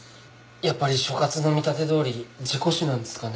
やっぱり所轄の見立てどおり事故死なんですかね？